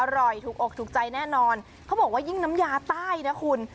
ถูกอกถูกใจแน่นอนเขาบอกว่ายิ่งน้ำยาใต้นะคุณ